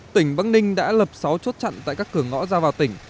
tỉnh băng ninh đã lập sáu chốt chặn tại các cửa ngõ giao vào tỉnh